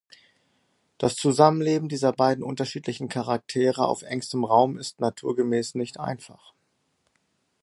Das Zusammenleben dieser beiden unterschiedlichen Charaktere auf engstem Raum ist naturgemäß nicht einfach.